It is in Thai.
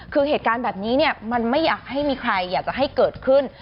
คือเหตุการณ์แบบนี้มันไม่อยากให้มีใครอยากจะให้เกิดขึ้น